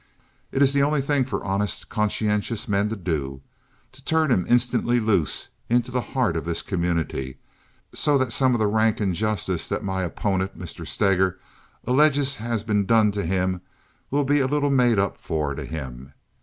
It is the only thing for honest, conscientious men to do—to turn him instantly loose into the heart of this community, so that some of the rank injustice that my opponent, Mr. Steger, alleges has been done him will be a little made up to him.